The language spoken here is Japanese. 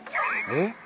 えっ？